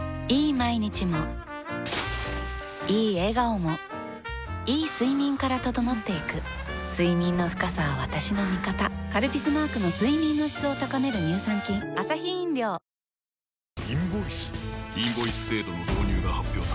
毎日もいい笑顔もいい睡眠から整っていく睡眠の深さは私の味方「カルピス」マークの睡眠の質を高める乳酸菌ありがとうございます！